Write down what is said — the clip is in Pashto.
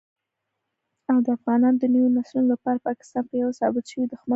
او دافغانانو دنويو نسلونو لپاره پاکستان په يوه ثابت شوي دښمن بدليږي